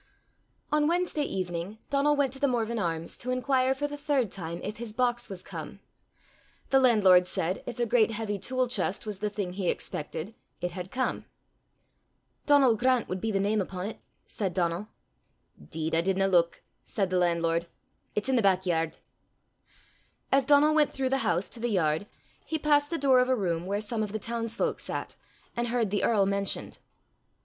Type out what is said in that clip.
On Wednesday evening Donal went to The Morven Arms to inquire for the third time if his box was come. The landlord said, if a great heavy tool chest was the thing he expected, it had come. "Donal Grant wad be the name upo' 't," said Donal. "'Deed, I didna luik," said the landlord. "It's i' the back yard." As Donal went through the house to the yard, he passed the door of a room where some of the townsfolk sat, and heard the earl mentioned.